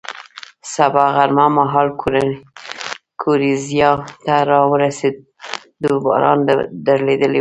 سبا غرمه مهال ګورېزیا ته را ورسېدو، باران درېدلی و.